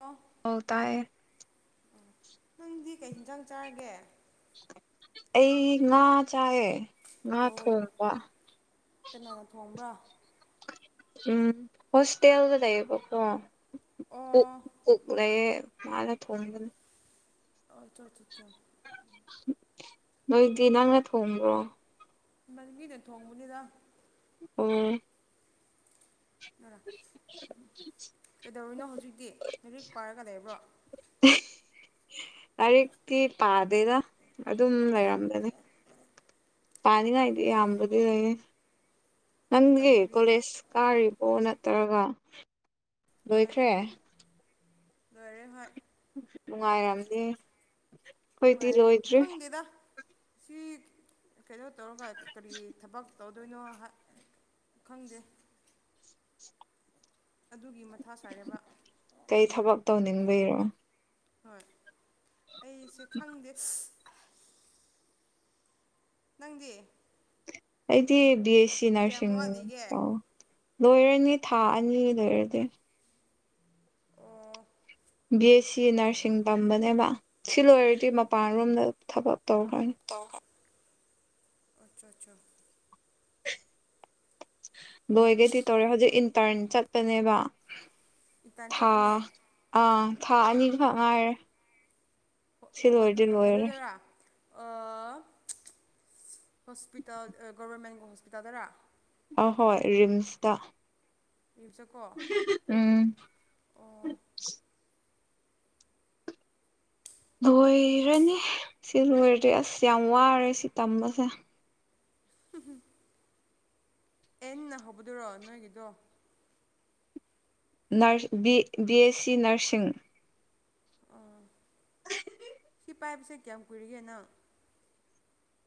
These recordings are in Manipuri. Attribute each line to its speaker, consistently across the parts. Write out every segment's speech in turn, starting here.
Speaker 1: ꯑ
Speaker 2: ꯍꯧꯇꯥꯥꯏ
Speaker 1: ꯑꯣ ꯅꯪꯗꯤ ꯀꯩ ꯌꯦꯟꯖꯥꯡ ꯆꯥꯔꯒꯦ
Speaker 2: ꯑꯩ ꯉꯥ ꯆꯥꯏꯑꯦ ꯉꯥ
Speaker 1: ꯑꯣ
Speaker 2: ꯊꯣꯡꯕ
Speaker 1: ꯀꯅꯥꯅ ꯊꯣꯡꯕ꯭ꯔꯥ [inaudible]
Speaker 2: ꯎꯝ ꯍꯣꯁꯇꯦꯜꯗ ꯂꯩꯕ ꯀꯣ
Speaker 1: ꯑꯣ
Speaker 2: ꯀꯣꯛ ꯂꯩꯑꯦ ꯃꯥꯅ ꯊꯣꯡꯕꯅ
Speaker 1: ꯑꯣ ꯆꯊ ꯆ꯭ꯔ
Speaker 2: ꯅꯣꯏꯗꯤ ꯅꯪꯅ ꯊꯣꯡꯕ꯭ꯔꯣ
Speaker 1: ꯅꯪꯒꯤꯅ ꯊꯣꯡꯕꯅꯤꯅ
Speaker 2: ꯑꯣ [inaudible]
Speaker 1: ꯥ ꯎꯝ ꯀꯩꯗꯧꯔꯅꯣ ꯍꯧꯖꯤꯛꯇꯤ ꯂꯥꯏꯔꯤꯛ ꯄꯥꯏꯔꯒ ꯂꯩꯕ꯭ꯔꯣ
Speaker 2: ꯂꯥꯏꯔꯤꯛꯇꯤ ꯄꯥꯗꯦꯗ ꯑꯗꯨꯝ ꯂꯩꯔꯝꯒꯅꯤ ꯄꯅꯤ ꯉꯥꯏꯗꯤ ꯑꯝꯕꯗꯤꯗ ꯅꯪꯒ
Speaker 1: ꯇꯟꯕꯒꯤꯀꯣ
Speaker 2: ꯀꯣꯂꯦꯁ ꯀꯥꯔꯤꯕꯣ ꯅꯠꯇ꯭ꯔꯒ
Speaker 1: ꯂꯣꯏꯔꯦ
Speaker 2: ꯂꯣꯏꯈ꯭ꯔꯦ
Speaker 1: ꯂꯣꯏꯔꯦ ꯍꯣꯏ
Speaker 2: ꯅꯨꯡꯉꯥꯏꯔꯝꯅꯤ ꯑꯩꯈꯣꯏꯗꯤ
Speaker 1: ꯅꯨꯡꯉꯥꯏꯔꯦ
Speaker 2: ꯂꯣꯏꯗ꯭ꯔꯤ
Speaker 1: ꯈꯪꯗꯦꯗ ꯁꯤ ꯀꯩꯅꯣ ꯇꯧꯔꯒ ꯀꯔꯤ ꯊꯕꯛ ꯇꯧꯗꯣꯏꯅꯣ ꯈꯪꯗꯦ ꯑꯗꯨꯒꯤ ꯃꯊꯥ ꯁꯥꯏꯔꯕ
Speaker 2: ꯀꯩ ꯊꯕꯛ ꯇꯧꯅꯤꯡꯕꯔꯣ
Speaker 1: ꯍꯣꯏ ꯑꯩꯁꯦ ꯈꯪꯗꯦꯁ ꯅꯪꯗꯤ
Speaker 2: ꯑꯩꯗꯤ ꯕꯤ ꯑꯦꯁ ꯁꯤ
Speaker 1: ꯀꯌꯥꯝ
Speaker 2: ꯅꯔꯁꯤꯡ
Speaker 1: ꯋꯥꯠꯂꯤꯒꯦ
Speaker 2: ꯇꯧ ꯂꯣꯏꯔꯅꯤ ꯊꯥ ꯑꯅꯤ ꯂꯣꯏꯔꯗꯤ
Speaker 1: ꯑꯣ
Speaker 2: ꯕꯤ ꯑꯦꯁ ꯁꯤ ꯅꯔꯁꯤꯡ ꯇꯝꯕꯅꯦꯕ ꯁꯤ ꯂꯣꯏꯔꯗꯤ ꯃꯄꯥꯟꯔꯣꯝꯗ ꯊꯕꯛ ꯇꯧꯈ꯭ꯔꯅꯤ
Speaker 1: ꯑꯆꯥ ꯑꯆꯥ [inaudible]
Speaker 2: ꯂꯣꯏꯒꯦꯗꯤ ꯇꯧꯔꯦ ꯍꯧꯖꯤꯛ ꯏꯟꯇꯔꯟ ꯆꯠꯄꯅꯦꯕ
Speaker 1: ꯏꯟꯇꯔꯟ
Speaker 2: ꯊꯥ
Speaker 1: ꯆꯠꯄꯅꯦ
Speaker 2: ꯑꯥ ꯊꯥ
Speaker 1: ꯑꯣ
Speaker 2: ꯑꯅꯤꯒꯈꯛ ꯉꯥꯏꯔꯦ ꯁꯤ ꯂꯣꯏꯔꯗꯤ ꯂꯣꯏꯔꯦ
Speaker 1: ꯀꯩꯅꯣꯗꯔꯥ ꯍꯣꯁꯄꯤꯇꯥꯜ ꯒꯣꯕꯔꯃꯦꯟ ꯍꯣꯁꯄꯤꯇꯥꯜꯗꯔꯥ
Speaker 2: ꯑꯍꯣꯏ ꯔꯤꯝꯁꯇ
Speaker 1: ꯌꯆꯀꯣ
Speaker 2: ꯎꯝ ꯂꯣꯏꯔꯅꯤ ꯁꯤ ꯂꯣꯏꯔꯗꯤ ꯑꯁ ꯌꯥꯝ ꯋꯥꯔꯦ ꯁꯤ ꯇꯝꯕꯁꯦ
Speaker 1: ꯑꯦꯟꯅ ꯍꯧꯕꯗꯨꯔꯣ ꯅꯣꯏꯒꯤꯗꯣ
Speaker 2: ꯕꯤ ꯕꯤ ꯑꯦꯁ ꯁꯤ ꯅꯔꯁꯤꯡ
Speaker 1: ꯑꯥ [inaudible] ꯁꯤ ꯄꯥꯏꯕꯁꯦ ꯀꯌꯥꯝꯨꯏꯔꯤꯒꯦꯅ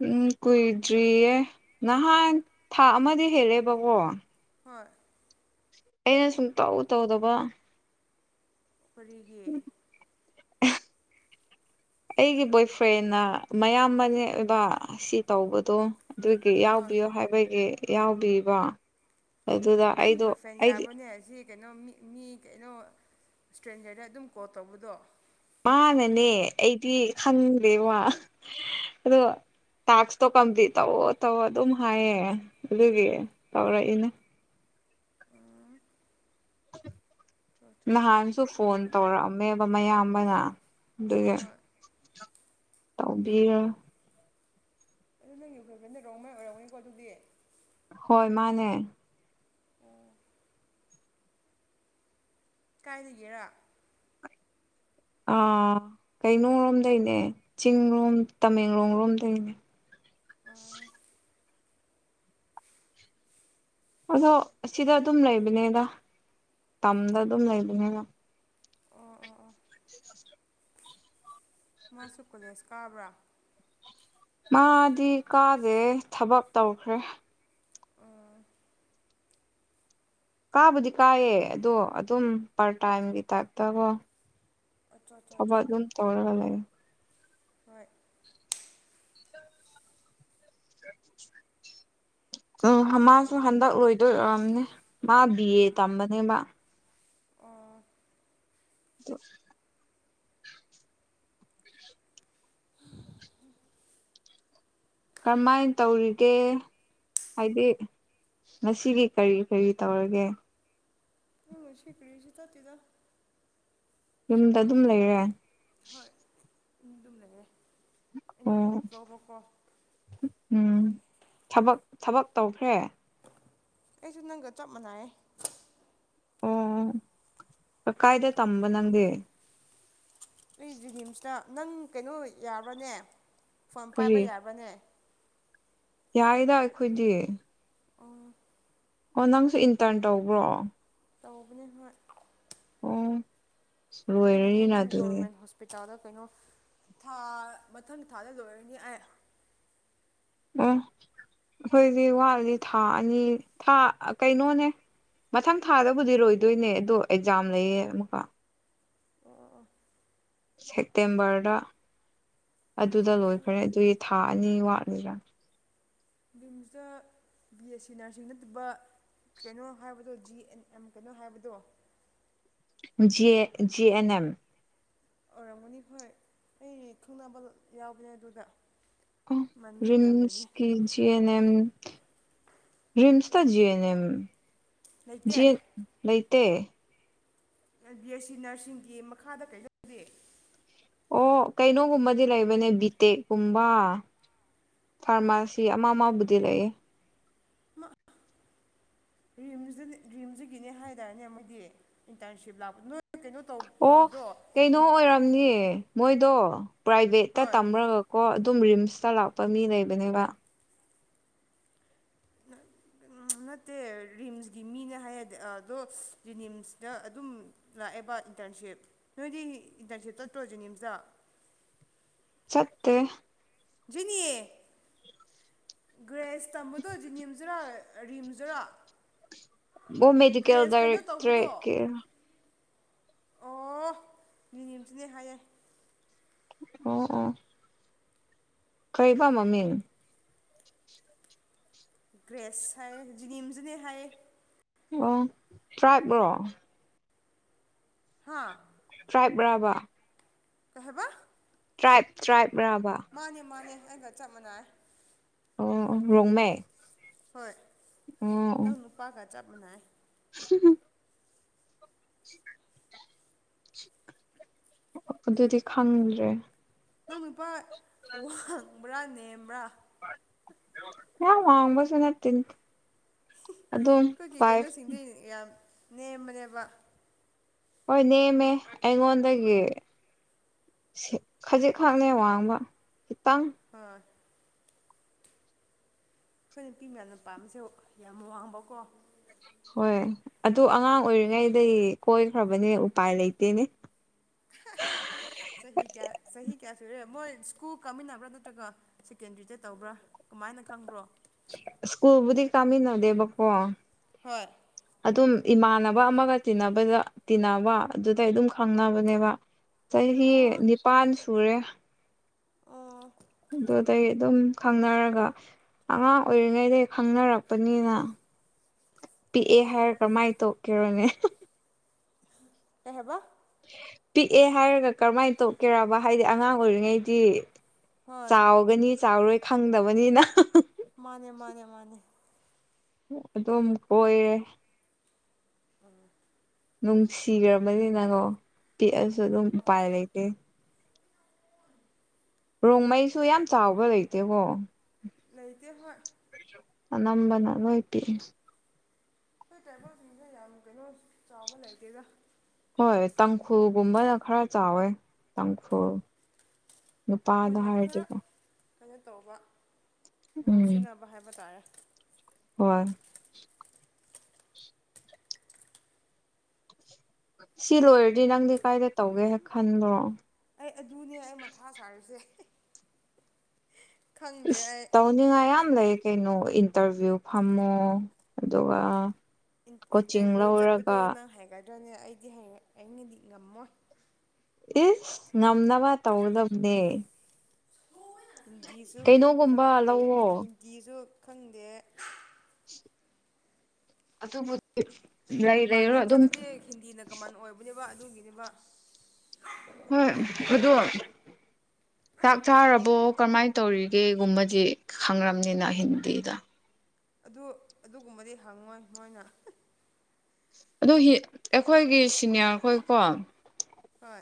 Speaker 2: ꯎꯝ ꯀꯨꯏꯗ꯭ꯔꯤꯌꯦ ꯅꯍꯥꯟ ꯊꯥ ꯑꯃꯗꯤ ꯍꯦꯜꯂꯦꯕꯀꯣ
Speaker 1: ꯍꯣꯏ [inaudible]
Speaker 2: ꯑꯩꯅ ꯁꯨꯝ ꯇꯧ ꯇꯧꯗꯕ
Speaker 1: ꯀꯔꯤꯒꯤ
Speaker 2: [inaudible] ꯑꯩꯒꯤ ꯕꯣꯏ ꯐ꯭ꯔꯦꯟꯅ ꯃꯌꯥꯝꯕꯅꯦꯛ ꯑꯣꯏꯕ ꯁꯤ ꯇꯧꯕꯗꯣ ꯑꯗꯨꯒꯤ
Speaker 1: ꯍꯣꯏ
Speaker 2: ꯌꯥꯎꯕꯤꯌꯣ ꯍꯥꯏꯕꯒꯤ ꯌꯥꯎꯕꯤꯕꯣ
Speaker 1: ꯅꯪ ꯕꯣꯏꯐ꯭ꯔꯦꯟ ꯌꯥꯕꯅꯦ ꯍꯧ ꯑꯁꯤ ꯀꯩꯅꯣ ꯃꯤ ꯃꯤ ꯀꯩꯅꯣ ꯏꯁꯇ꯭ꯔꯦꯟꯖꯔꯗ ꯑꯗꯨꯝ ꯀꯣꯜ ꯇꯧꯕꯗꯣ
Speaker 2: ꯃꯥꯅꯅꯦ ꯑꯩꯗꯤ ꯈꯪꯗꯦꯕ ꯑꯗꯣ ꯇꯥꯛꯁꯇꯣ ꯀꯝꯄ꯭ꯂꯤꯠ ꯇꯧꯋ ꯇꯧ ꯑꯗꯨꯝ ꯍꯥꯏꯌꯦ ꯑꯗꯨꯒꯤ ꯇꯧꯔꯛꯏꯅꯦ
Speaker 1: ꯆꯣ ꯆꯣ ꯆꯣ
Speaker 2: ꯅꯍꯥꯟꯁꯨ ꯐꯣꯟ ꯇꯧꯔꯛꯑꯝꯃꯦꯕ ꯃꯌꯥꯝꯕꯅ ꯑꯗꯨꯒꯤ
Speaker 1: ꯍꯣꯏ
Speaker 2: ꯕꯤ [unintelligible]
Speaker 1: ꯈꯣꯏꯕꯦꯟꯗꯧꯔꯝꯃꯩ ꯑꯣꯏꯔꯝꯅꯤꯀꯣ ꯑꯗꯨꯗꯤ
Speaker 2: ꯍꯣꯏ ꯃꯥꯅꯦ
Speaker 1: ꯀꯥꯏꯗꯒꯦꯔ
Speaker 2: ꯑꯥ ꯀꯩꯅꯣꯔꯣꯝꯗꯩꯅꯦ ꯆꯤꯡ ꯂꯣꯝ ꯇꯃꯦꯡꯂꯣꯡ ꯂꯣꯝꯗꯩꯅꯦ
Speaker 1: ꯑꯣ
Speaker 2: ꯑꯗꯣ ꯑꯁꯤꯗ ꯑꯗꯨꯝ ꯂꯩꯕꯅꯤꯗ ꯇꯝꯗ ꯑꯗꯨꯝ ꯂꯩꯕꯅꯤꯅ
Speaker 1: ꯑꯣ ꯑꯣ ꯑꯣꯥ
Speaker 2: [unintelligible]
Speaker 1: ꯃꯥꯁꯨ ꯀꯣꯂꯦꯖ ꯀꯥꯕ꯭ꯔꯥ
Speaker 2: ꯃꯥꯗꯤ ꯀꯥꯗꯦ ꯊꯕꯛ ꯇꯧꯈ꯭ꯔꯦ
Speaker 1: ꯑꯣ
Speaker 2: ꯀꯥꯕꯨꯗꯤ ꯀꯥꯏꯌꯦ ꯑꯗꯣ ꯑꯗꯨꯝ ꯄꯥꯔ ꯇꯥꯏꯝꯒꯤ ꯇꯥꯏꯞꯇꯀꯣ
Speaker 1: ꯑꯆꯥ ꯑꯆꯥ ꯑꯆꯥ
Speaker 2: ꯊꯕꯛ ꯑꯗꯨꯝ ꯇꯧꯔꯒ ꯂꯩꯦ
Speaker 1: ꯍꯣꯏ
Speaker 2: ꯎ ꯍꯁꯨ
Speaker 1: ꯐꯩ
Speaker 2: ꯍꯗ ꯑꯣꯏꯣꯏ [inaudible] ꯑꯗꯨ ꯑꯣꯏꯔꯝꯅꯦ ꯃꯥ ꯕꯤ ꯑꯦ ꯇꯝꯕꯅꯦꯕ
Speaker 1: ꯑꯣ
Speaker 2: ꯎ ꯀꯔꯝꯃꯥꯏꯅ ꯇꯧꯔꯤꯒꯦ ꯍꯥꯏꯗꯤ ꯉꯁꯤꯗꯤ ꯀꯔꯤ ꯀꯔꯤ ꯇꯧꯔꯒꯦ
Speaker 1: ꯍꯣꯏꯂ ꯁꯤ ꯀꯔꯤꯁꯨ ꯆꯠꯇꯦꯗ
Speaker 2: ꯌꯨꯝꯗ ꯑꯗꯨꯝ ꯂꯩꯔꯦ
Speaker 1: ꯍꯣꯏ ꯇꯨꯝ ꯗꯨꯝ ꯂꯩꯔꯦ
Speaker 2: ꯑꯣ ꯎꯝ ꯊꯕꯛ ꯊꯕꯛ ꯇꯧꯈ꯭ꯔꯦ
Speaker 1: ꯑꯩꯁꯨ ꯅꯪꯒ ꯆꯞ ꯃꯅꯥꯏꯌꯦ
Speaker 2: ꯀ ꯀꯥꯏꯗ ꯇꯝꯕ ꯅꯪꯗꯦ
Speaker 1: ꯑꯩ ꯖꯦꯅꯤꯝꯁꯇ ꯅꯪ ꯀꯩꯅꯣ ꯌꯥꯕ꯭ꯔꯅꯦ ꯐꯣꯟ
Speaker 2: ꯀꯔꯤ
Speaker 1: ꯄꯥꯏꯕ ꯌꯥꯕ꯭ꯔꯅꯦ
Speaker 2: ꯌꯥꯏꯌꯦꯗ ꯑꯩꯈꯣꯏꯗꯤ
Speaker 1: ꯑꯣ
Speaker 2: ꯑꯣ ꯅꯪꯁꯨ ꯏꯟꯇꯔꯟ ꯇꯧꯕ꯭ꯔꯣ
Speaker 1: ꯇꯧꯕꯅꯦ ꯍꯣꯏ
Speaker 2: ꯑꯣꯝ
Speaker 1: ꯑꯗꯨꯅꯅꯦ ꯅꯪ ꯒꯣꯕꯔꯃꯦꯟ ꯍꯣꯁꯄꯤꯇꯥꯜꯗ ꯀꯩꯅꯣꯥ ꯊꯥ ꯃꯊꯪ ꯊꯥꯗ ꯂꯣꯏꯔꯅꯤ ꯑꯩ
Speaker 2: ꯑꯣ ꯑꯩꯈꯣꯏꯗꯤ ꯋꯥꯠꯂꯤ ꯊꯥ ꯑꯅꯤ ꯊꯥ ꯀꯩꯅꯣꯅꯦ ꯃꯊꯪ ꯊꯥꯗꯕꯨꯗꯤ ꯂꯣꯏꯗꯣꯏꯅꯦ ꯑꯗꯣ ꯑꯦꯛꯖꯥꯝ ꯂꯩꯌꯦ ꯑꯃꯨꯛꯀ
Speaker 1: ꯑꯣ ꯑꯣ ꯑꯣ
Speaker 2: ꯁꯦꯞꯇꯦꯝꯕꯔꯗ ꯑꯗꯨꯗ ꯂꯣꯏꯈ꯭ꯔꯦ ꯑꯗꯨꯒꯤ ꯊꯥ ꯑꯅꯤ ꯋꯥꯠꯂꯤꯔꯥ
Speaker 1: ꯔꯤꯝꯁꯇ ꯕꯤ ꯑꯦꯁ ꯁꯤ ꯅꯔꯁꯤꯡ ꯅꯠꯇꯕ [unintelligible] ꯀꯩꯅꯣ ꯍꯥꯏꯕꯗꯣ ꯖꯤ ꯑꯦꯟ ꯑꯦꯝ ꯀꯩꯅꯣ ꯍꯥꯏꯕꯗꯣ
Speaker 2: ꯖꯤ ꯖꯤ ꯑꯦꯟ ꯑꯦꯝ
Speaker 1: ꯑꯣꯏꯔꯝꯃꯅꯤ ꯈꯣꯏ ꯑꯩ ꯈꯪꯅꯕ ꯌꯥꯎꯕꯅꯦ ꯑꯗꯨꯗ
Speaker 2: ꯑꯣ
Speaker 1: ꯏꯃꯥꯟꯅꯕꯤ ꯃꯌꯥꯝ ꯂꯩꯕꯅꯦ
Speaker 2: ꯔꯤꯝꯁꯀꯤ ꯖꯤ ꯖꯤ ꯑꯦꯟꯦꯝ ꯔꯤꯝꯁꯇ ꯖꯤ ꯑꯦꯟ ꯑꯦꯝ
Speaker 1: ꯂꯩꯇꯦ
Speaker 2: ꯖꯤ ꯂꯩꯇꯦ
Speaker 1: ꯕꯤ ꯑꯦꯁ ꯁꯤ ꯅꯔꯁꯤꯡꯒꯤ ꯃꯈꯥꯗ ꯀꯩ [unintelligible]
Speaker 2: ꯑꯣ ꯀꯩꯅꯣꯒꯨꯝꯕꯗꯤ ꯂꯩꯕꯅꯦ ꯕꯤꯇꯦꯛꯀꯨꯝꯕ ꯐꯥꯔꯃꯥꯁꯤ ꯑꯃ ꯑꯃ ꯕꯨꯗꯤ ꯂꯩꯌꯦ
Speaker 1: ꯔꯤꯝꯗꯅꯤ ꯔꯤꯝꯁꯗꯒꯤꯅꯦ ꯍꯥꯏꯗꯥꯏꯅꯦ ꯃꯣꯏꯗꯤ ꯏꯟꯇꯔꯟꯁꯤꯞ ꯂꯥꯛꯄ ꯅꯣꯏ ꯀꯩꯅꯣ ꯇꯧ
Speaker 2: ꯑꯣ
Speaker 1: ꯇꯧꯗ꯭ꯔꯣ
Speaker 2: ꯀꯩꯅꯣ ꯑꯣꯏꯔꯝꯅꯤ ꯃꯣꯏꯗꯣ ꯄ꯭ꯔꯥꯏꯚꯦꯠꯇ
Speaker 1: ꯍꯣꯏ
Speaker 2: ꯇꯝꯔꯒ ꯀꯣ ꯑꯗꯨꯝ ꯔꯤꯝꯁꯇ ꯂꯥꯛꯄ ꯃꯤ ꯂꯩꯕꯅꯦꯕ
Speaker 1: ꯅꯠꯇꯦ ꯔꯤꯝꯁꯀꯤ ꯃꯤꯅ ꯍꯥꯏꯌꯦꯗꯤ ꯑꯗꯣ ꯖꯦꯅꯤꯝꯁꯇ ꯑꯗꯨꯝ ꯂꯥꯛꯑꯦꯕ ꯏꯟꯇꯔꯟꯁꯤꯞ ꯅꯣꯏꯗꯤ ꯏꯟꯇꯔꯟꯁꯤꯞ ꯆꯠꯇ꯭ꯔꯣ ꯖꯦꯅꯤꯝꯁꯇ
Speaker 2: ꯆꯠꯇꯦ
Speaker 1: ꯖꯤꯅꯤ ꯒ꯭ꯔꯦꯁ ꯇꯝꯕꯗꯣ ꯖꯤꯅꯤꯝꯁꯇꯔ ꯔꯤꯝꯖꯔꯥ
Speaker 2: ꯃꯦꯗꯤꯀꯦꯜ ꯗꯥꯏꯔꯦꯛꯇ꯭ꯔꯦꯠ
Speaker 1: ꯇꯧꯕꯗꯣ
Speaker 2: ꯀꯩꯔ
Speaker 1: ꯑꯣ ꯖꯦꯅꯤꯝꯁꯀꯤꯅꯤ ꯍꯥꯏꯌꯦ
Speaker 2: ꯑꯣ ꯑꯣ ꯀꯩꯕ ꯃꯃꯤꯡ
Speaker 1: ꯒ꯭ꯔꯦꯁ ꯍꯥꯏꯌꯦ ꯖꯤꯅꯤꯝꯁꯇꯅꯤ ꯍꯥꯏꯌꯦ
Speaker 2: ꯑꯣ ꯇ꯭ꯔꯥꯏꯕꯔꯣ
Speaker 1: ꯍꯥꯥ
Speaker 2: ꯇ꯭ꯔꯥꯏꯕ ꯔꯥꯕ
Speaker 1: ꯀꯩ ꯍꯥꯏꯕ
Speaker 2: ꯇ꯭ꯔꯥꯏꯕ ꯇ꯭ꯔꯥꯏꯕ ꯔꯕ
Speaker 1: ꯃꯥꯅꯦ ꯃꯥꯅꯦ ꯑꯩꯒ ꯆꯞ ꯃꯥꯟꯅꯩ
Speaker 2: ꯑꯣ ꯑꯣ ꯔꯣꯡꯃꯦ
Speaker 1: ꯍꯣꯏ ꯅꯪ
Speaker 2: ꯑꯣ
Speaker 1: ꯅꯨꯄꯥꯒ ꯆꯞ ꯃꯥꯟꯅꯩ
Speaker 2: [unintelligible] [inaudible] ꯑꯗꯨꯗꯤ ꯈꯪꯗ꯭ꯔꯦ
Speaker 1: ꯅꯪ ꯅꯨꯄꯥ ꯋꯥꯡꯕ꯭ꯔꯥ ꯅꯦꯝꯕ꯭ꯔꯥ
Speaker 2: ꯄꯨꯔꯥ ꯋꯥꯡꯕꯁꯨ ꯅꯠꯇꯦ ꯑꯗꯨꯝ
Speaker 1: ꯑꯩꯈꯣꯏꯒꯤ
Speaker 2: ꯐꯥꯏꯚ
Speaker 1: ꯀꯩꯅꯣꯁꯤꯡꯗꯤ ꯌꯥꯝ ꯅꯦꯝꯕꯅꯦꯕ
Speaker 2: ꯍꯣꯏ ꯅꯦꯝꯃꯦ ꯑꯩꯉꯣꯟꯗꯒꯤ ꯈꯖꯤꯛꯈꯛꯅꯦ ꯋꯥꯡꯕ ꯈꯤꯇꯪ
Speaker 1: ꯍꯣꯏ ꯑꯩꯈꯣꯏ ꯅꯨꯄꯤ ꯃꯌꯥꯝꯅ ꯄꯥꯝꯕꯁꯨ ꯌꯥꯝ ꯋꯥꯡꯕꯀꯣ
Speaker 2: ꯍꯣꯏ ꯑꯗꯨ ꯑꯉꯥꯡ ꯑꯣꯏꯔꯤꯉꯩꯗꯩ ꯀꯣꯏꯈ꯭ꯔꯕꯅꯦ ꯎꯄꯥꯏ ꯂꯩꯇꯦꯅꯦ
Speaker 1: [unintelligible] ꯆꯍꯤ ꯀꯌꯥ ꯆꯍꯤ ꯀꯌꯥ ꯁꯨꯔꯦ ꯃꯣꯏ ꯁ꯭ꯀꯨꯜ ꯀꯥꯃꯤꯟꯅꯕ꯭ꯔꯥ ꯅꯠꯇ꯭ꯔꯒ ꯁꯦꯀꯦꯟꯗ꯭ꯔꯤꯗ ꯇꯧꯕ꯭ꯔꯥ ꯀꯃꯥꯏꯅ ꯈꯪꯕ꯭ꯔꯣ
Speaker 2: ꯁ꯭ꯀꯨꯜꯕꯨꯗꯤ ꯀꯥꯃꯤꯟꯅꯗꯦꯕꯀꯣ
Speaker 1: ꯍꯣꯏ
Speaker 2: ꯑꯗꯨꯝ ꯏꯃꯥꯟꯅꯕ ꯑꯃꯒ ꯇꯤꯟꯅꯕꯗ ꯇꯤꯟꯅꯕ ꯑꯗꯨꯗꯩ ꯑꯗꯨꯝ ꯈꯪꯅꯕꯅꯦꯕ ꯆꯍꯤ
Speaker 1: ꯑꯣ
Speaker 2: ꯅꯤꯄꯥꯟ ꯁꯨꯔꯦ
Speaker 1: ꯑꯣ
Speaker 2: ꯑꯗꯨꯗꯩ ꯑꯗꯨꯝ ꯈꯪꯅꯔꯒ ꯑꯉꯥꯡ ꯑꯣꯏꯔꯤꯉꯩꯗꯒꯤ ꯈꯪꯅꯔꯛꯄꯅꯤꯅ ꯄꯤꯛꯑꯦ
Speaker 1: ꯑꯣ
Speaker 2: ꯍꯥꯏꯔ ꯀꯃꯥꯏ ꯇꯣꯛꯀꯦꯔꯣꯅꯦ
Speaker 1: ꯀꯩ ꯍꯥꯏꯕ
Speaker 2: ꯄꯤꯛꯑꯦ ꯍꯥꯏꯔꯒ ꯀꯔꯝꯃꯥꯏ ꯇꯣꯛꯀꯦꯔꯕ ꯍꯥꯏꯗꯤ ꯑꯉꯥꯡ ꯑꯣꯏꯔꯤꯉꯩꯗꯤ
Speaker 1: ꯍꯣꯏ
Speaker 2: ꯆꯥꯎꯒꯅꯤ ꯆꯥꯎꯔꯣꯏ ꯈꯪꯗꯕꯅꯤꯅ
Speaker 1: ꯃꯥꯅꯦ ꯃꯥꯅꯦ ꯃꯥꯅꯦ
Speaker 2: ꯑꯗꯨꯝ ꯀꯣꯏꯔꯦ
Speaker 1: ꯎꯝ
Speaker 2: ꯅꯨꯡꯁꯤꯒ꯭ꯔꯕꯅꯤꯅꯀꯣ ꯄꯤꯛꯑꯁꯨ ꯑꯗꯨꯝ
Speaker 1: ꯍꯣꯏ
Speaker 2: ꯎꯄꯥꯏ ꯂꯩꯇꯦ ꯔꯣꯡꯃꯩꯁꯨ ꯌꯥꯝ ꯆꯥꯎꯕ ꯂꯩꯇꯦꯀꯣ
Speaker 1: ꯂꯩꯇꯦ ꯍꯣꯏ
Speaker 2: ꯑꯅꯝꯕꯅ ꯂꯣꯏ ꯄꯤꯛꯏ
Speaker 1: ꯑꯩꯈꯣꯏ ꯇ꯭ꯔꯥꯏꯕꯦꯜꯁꯤꯡꯁꯦ ꯌꯥꯝ ꯀꯩꯅꯣ ꯆꯥꯎꯕ ꯂꯩꯇꯦꯗ
Speaker 2: ꯍꯣꯏ ꯇꯥꯡꯈꯨꯜꯒꯨꯝꯕꯅ ꯈꯔ ꯆꯥꯎꯋꯦ ꯇꯥꯡꯈꯨꯜ ꯅꯨꯄꯥꯗ
Speaker 1: ꯃꯣꯏꯅ ꯈꯔ
Speaker 2: ꯍꯥꯏꯔꯗꯤꯀꯣ
Speaker 1: ꯀꯩꯅꯣ ꯇꯧꯕ
Speaker 2: ꯎꯝ
Speaker 1: ꯉꯥꯎꯁꯤꯟꯅꯕ ꯍꯥꯏꯕ ꯇꯥꯔꯦ
Speaker 2: ꯍꯣꯏ ꯁꯤ ꯂꯣꯏꯔꯗꯤ ꯅꯪꯗꯤ ꯀꯥꯏꯗ ꯇꯧꯒꯦ ꯍꯦꯛ ꯈꯟꯕ꯭ꯔꯣ
Speaker 1: ꯑꯩ ꯑꯗꯨꯅꯦ ꯑꯩ ꯃꯊꯥ ꯁꯥꯔꯤꯁꯦ ꯈꯪꯗꯦ
Speaker 2: ꯏꯁ
Speaker 1: ꯑꯩ
Speaker 2: ꯇꯧꯅꯤꯡꯉꯥꯏ ꯌꯥꯝ ꯂꯩ ꯀꯩꯅꯣ ꯏꯟꯇꯔꯚ꯭ꯌꯨ ꯐꯝꯃꯣ ꯑꯗꯨꯒ ꯀꯣꯆꯤꯡ
Speaker 1: ꯏꯟꯇꯔꯚꯤꯌꯨ ꯆꯠꯄꯗꯣ
Speaker 2: ꯂꯧꯔꯒ
Speaker 1: ꯅꯪ ꯍꯩꯒꯗ꯭ꯔꯅꯦ ꯑꯩꯗꯤ ꯍꯩ ꯑꯩꯅꯗꯤ ꯉꯝꯃꯣꯏ
Speaker 2: ꯏꯁ ꯉꯝꯅꯕ ꯇꯧꯒꯗꯕꯅꯦ
Speaker 1: ꯍꯤꯟꯗꯤꯁꯨ ꯈꯪ
Speaker 2: ꯀꯩꯅꯣꯒꯨꯝꯕ
Speaker 1: ꯍꯩ
Speaker 2: ꯂꯧꯋꯣ
Speaker 1: ꯍꯤꯟꯗꯤꯁꯨ ꯈꯪꯗꯦ
Speaker 2: ꯑꯗꯨꯕꯨꯗꯤ ꯂꯩ ꯂꯩꯔꯣ
Speaker 1: ꯃꯄꯥꯟꯗ
Speaker 2: ꯑꯗꯨꯝ
Speaker 1: ꯆꯠꯂꯗꯤ ꯍꯤꯟꯗꯤꯅ ꯀꯃꯟ ꯑꯣꯏꯕꯅꯦꯕ ꯑꯗꯨꯒꯤꯅꯦꯕ
Speaker 2: ꯍꯣꯏ ꯑꯗꯨ ꯆꯥꯛ ꯆꯥꯔꯕꯣ ꯀꯔꯝꯃꯥꯏ ꯇꯧꯔꯤꯒꯦꯒꯨꯝꯕꯖꯤ ꯈꯪꯉꯔꯝꯅꯤꯅ ꯍꯤꯟꯗꯤꯗ
Speaker 1: ꯑꯗꯨ ꯑꯗꯨꯒꯨꯝꯕꯗꯤ ꯍꯪꯉꯣꯏ ꯃꯣꯏꯅ
Speaker 2: ꯑꯗꯨꯍꯤ ꯑꯩꯈꯣꯏꯒꯤ ꯁꯤꯅꯤꯌꯥꯔꯈꯣꯏꯀꯣ
Speaker 1: ꯍꯣꯏ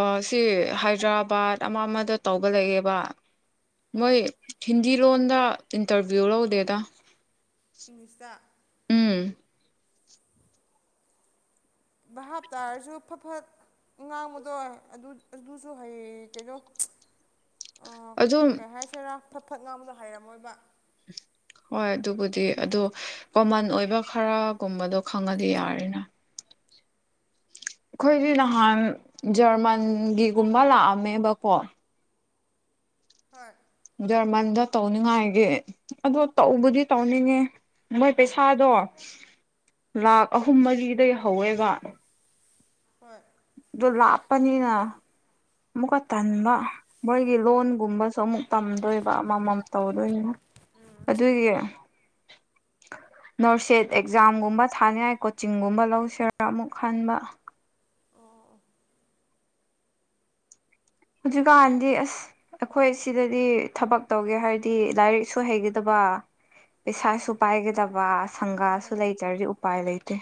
Speaker 2: ꯑ ꯁꯤ ꯍꯥꯏꯗ꯭ꯔꯕꯥꯠ ꯑꯃ ꯑꯃꯗ ꯇꯧꯕ ꯂꯩꯌꯦꯕ ꯃꯣꯏ
Speaker 1: ꯍꯣꯏ
Speaker 2: ꯍꯤꯟꯗꯤ ꯂꯣꯟꯗ ꯏꯟꯇꯔꯚꯤꯌꯨ ꯂꯧꯗꯦꯗ
Speaker 1: ꯏꯪꯂꯤꯁꯇ
Speaker 2: ꯎꯝ
Speaker 1: [unintelligible] ꯚꯥꯍꯥꯞ ꯇꯥꯥꯔꯁꯨ ꯐꯠ ꯐꯠ ꯉꯥꯡꯕꯗꯣ ꯑꯗꯨ ꯑꯗꯨꯁꯨ ꯍꯩ ꯇꯦꯗꯣ ꯑꯣ ꯀꯩ
Speaker 2: ꯑꯗꯨꯝ
Speaker 1: ꯀꯩ ꯍꯥꯏꯁꯤꯔꯥ ꯐꯠ ꯐꯠ ꯉꯥꯡꯕꯗꯣ ꯍꯩꯔꯝꯃꯣꯏꯕ
Speaker 2: ꯍꯣꯏ ꯑꯗꯨꯕꯨꯗꯤ ꯑꯗꯣ ꯀꯣꯃꯟ ꯑꯣꯏꯕ ꯈꯔꯒꯨꯝꯕꯗꯣ ꯈꯪꯉꯗꯤ ꯌꯥꯔꯦꯅ ꯑꯩꯈꯣꯏꯗꯤ ꯅꯍꯥꯟ ꯖꯔꯃꯟꯒꯤꯒꯨꯝꯕ ꯂꯥꯛꯑꯝꯃꯦꯕꯀꯣ
Speaker 1: ꯍꯣꯏ
Speaker 2: ꯖꯔꯃꯟꯗ ꯇꯧꯅꯤꯉꯥꯏꯒꯤ ꯑꯗꯣ ꯇꯧꯕꯗꯤ ꯇꯧꯅꯤꯡꯉꯦ ꯃꯣꯏ ꯄꯩꯁꯥꯗꯣ ꯂꯥꯛ ꯑꯍꯨꯝ ꯃꯔꯤꯗꯒꯤ ꯍꯧꯋꯦꯕ
Speaker 1: ꯍꯣꯏ
Speaker 2: ꯑꯗꯣ ꯂꯥꯞꯄꯅꯤꯅ ꯑꯃꯨꯛꯀ ꯇꯟꯕ ꯃꯣꯏꯒꯤ ꯂꯣꯟꯒꯨꯝꯕꯁꯨ ꯑꯃꯨꯛ ꯇꯝꯗꯣꯏꯕ ꯑꯃꯃꯝ ꯇꯧꯗꯣꯏꯅꯦ ꯑꯗꯨꯒꯤ ꯅꯔꯁꯦꯠ ꯑꯦꯛꯖꯥꯝꯒꯨꯝꯕ ꯊꯥꯅꯤꯡꯉꯥꯏ ꯀꯣꯆꯤꯡꯒꯨꯝꯕ ꯂꯧꯁꯤꯔꯥ ꯑꯃꯨꯛ ꯈꯟꯕ
Speaker 1: ꯑꯣ ꯑꯣ
Speaker 2: ꯍꯧꯖꯤꯛꯀꯥꯟꯗꯤ ꯑꯁ ꯑꯩꯈꯣꯏ ꯁꯤꯗꯗꯤ ꯊꯕꯛ ꯇꯧꯒꯦ ꯍꯥꯏꯔꯗꯤ ꯂꯥꯏꯔꯤꯛꯁꯨ ꯍꯩꯒꯗꯕ ꯄꯩꯁꯥꯁꯨ
Speaker 1: ꯃꯥꯅꯤ
Speaker 2: ꯄꯥꯏꯒꯗꯕ ꯁꯪꯒꯥꯁꯨ
Speaker 1: ꯃꯥꯅꯤ
Speaker 2: ꯂꯩꯇ꯭ꯔꯗꯤ ꯎꯄꯥꯏ ꯂꯩꯇꯦ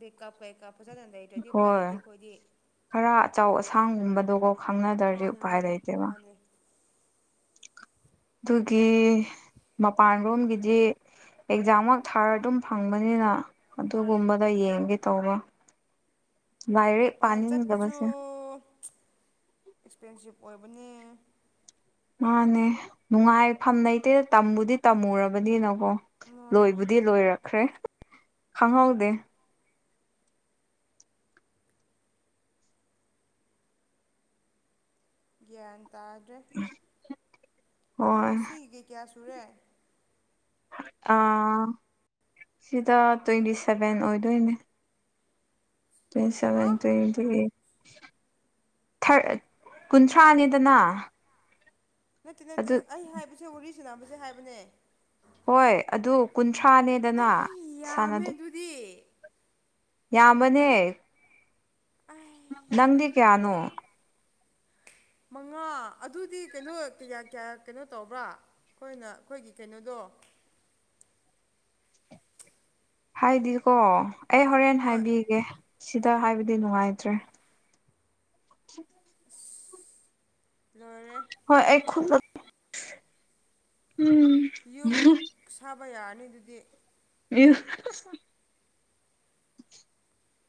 Speaker 1: ꯕꯦ ꯀꯞ ꯀꯩ ꯀꯥ ꯐꯖꯅ ꯂꯩꯇ꯭ꯔꯗꯤ ꯎꯄꯥꯏ
Speaker 2: ꯍꯣꯏ
Speaker 1: ꯂꯩꯇꯦ ꯑꯩꯈꯣꯏꯗꯤ
Speaker 2: ꯈꯔ ꯑꯆꯧ ꯑꯁꯥꯡꯒꯨꯝꯕꯗꯣꯒꯣ ꯈꯪꯅꯗ꯭ꯔꯗꯤ
Speaker 1: ꯃꯥꯅꯦ
Speaker 2: ꯎꯄꯥꯏ
Speaker 1: ꯃꯥꯅꯦ
Speaker 2: ꯂꯩꯇꯦꯕ
Speaker 1: ꯃꯥꯅꯦ
Speaker 2: ꯑꯗꯨꯒꯤ ꯃꯄꯥꯟꯂꯣꯝꯒꯤꯗꯤ ꯑꯦꯛꯖꯥꯝꯃꯛ ꯊꯥꯔ ꯑꯗꯨꯝ ꯐꯪꯕꯅꯤꯅ
Speaker 1: ꯃꯥꯅꯦ
Speaker 2: ꯑꯗꯨꯒꯨꯝꯕꯗꯣ ꯌꯦꯡꯉꯒꯦ ꯇꯧꯕ ꯂꯥꯏꯔꯤꯛ
Speaker 1: ꯃꯄꯥꯟ ꯆꯠꯄꯁꯨ
Speaker 2: ꯄꯥꯅꯤꯡꯗꯕꯁꯦ
Speaker 1: ꯑꯦꯛꯁꯄꯦꯟꯁꯤꯞ ꯑꯣꯏꯕꯅꯦ
Speaker 2: ꯃꯥꯅꯦ ꯅꯨꯡꯉꯥꯏꯐꯝ ꯂꯩꯇꯦꯗ ꯇꯝꯕꯨꯗꯤ ꯇꯝꯃꯨꯔꯕꯅꯤꯅꯀꯣ
Speaker 1: ꯃꯥꯅꯤ
Speaker 2: ꯂꯣꯏꯕꯨꯗꯤ ꯗꯤ ꯂꯣꯏꯔꯛꯈ꯭ꯔꯦ ꯈꯪꯍꯧꯗꯦ
Speaker 1: ꯒ꯭ꯌꯥꯟ ꯇꯥꯗ꯭ꯔꯦ
Speaker 2: [unintelligible]
Speaker 1: ꯅꯪꯒꯤ ꯁꯤ ꯒꯤ ꯀꯌꯥ ꯁꯨꯔꯦ
Speaker 2: ꯑꯥ ꯁꯤꯗ ꯇ꯭ꯋꯦꯟꯇꯤ ꯁꯚꯦꯟ ꯑꯣꯏꯗꯣꯏꯅꯦ ꯇ꯭ꯋꯦꯟꯇꯤ
Speaker 1: ꯍꯥ
Speaker 2: ꯁꯚꯦꯟ ꯇ꯭ꯋꯦꯟꯇꯤ ꯑꯩꯠ ꯊꯔ ꯀꯨꯟꯊ꯭ꯔꯥꯅꯤꯗꯅ
Speaker 1: ꯅꯠꯇꯦ ꯅꯠꯇꯦ
Speaker 2: ꯑꯗꯨ
Speaker 1: ꯑꯩ ꯍꯥꯏꯕꯁꯦ ꯋꯥꯔꯤ ꯁꯟꯅꯕꯁꯦ ꯍꯥꯏꯕꯅꯦ
Speaker 2: ꯍꯣꯏ ꯑꯗꯨ ꯀꯨꯟꯊ꯭ꯔꯥꯅꯦꯗꯅ ꯁꯥꯟꯅꯗꯣ
Speaker 1: ꯄꯤ
Speaker 2: ꯌꯥꯝꯕꯅꯦ
Speaker 1: ꯑꯥꯏ
Speaker 2: ꯅꯪꯗꯤ ꯀꯌꯥꯅꯣ
Speaker 1: ꯃꯉꯥ ꯑꯗꯨꯗꯤ ꯀꯩꯅꯣ ꯀꯌꯥ ꯀꯌꯥ ꯀꯩꯅꯣ ꯇꯧꯕ꯭ꯔꯥ ꯑꯩꯈꯣꯏꯅ ꯑꯩꯈꯣꯏꯒꯤ ꯀꯩꯅꯣꯗꯣ
Speaker 2: ꯍꯥꯏꯗꯤꯀꯣ ꯑꯩ ꯍꯣꯔꯦꯟ
Speaker 1: ꯍꯣꯏ
Speaker 2: ꯍꯥꯏꯕꯤꯒꯦ ꯁꯤꯗ ꯍꯥꯏꯕꯗꯤ ꯅꯨꯡꯉꯥꯏꯇ꯭ꯔꯦ
Speaker 1: ꯂꯣꯏꯔꯦ
Speaker 2: ꯍꯣꯏ ꯑꯩ ꯈꯨꯂꯛ ꯎꯝ
Speaker 1: ꯌꯨꯝ ꯁꯥꯕ ꯌꯥꯔꯅꯤ ꯑꯗꯨꯗꯤ
Speaker 2: [unintelligible]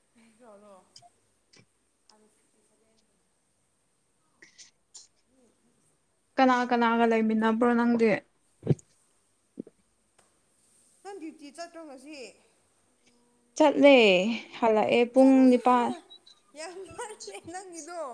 Speaker 1: [unintelligible]
Speaker 2: ꯀꯅꯥ ꯀꯅꯥꯒ ꯂꯩꯃꯤꯟꯅꯕ꯭ꯔꯣ ꯅꯪꯗꯤ
Speaker 1: ꯅꯪ ꯗ꯭ꯌꯨꯇꯤ ꯆꯠꯇ꯭ꯔꯣ ꯉꯁꯤ
Speaker 2: ꯆꯠꯂꯦ ꯍꯜꯂꯛꯑꯦ ꯄꯨꯡ
Speaker 1: ꯆꯠꯂꯁꯤ
Speaker 2: ꯅꯤꯄꯥꯟ
Speaker 1: ꯍꯣꯏ ꯌꯥꯝ ꯋꯥꯜꯂꯦ ꯅꯪꯒꯤꯗꯣ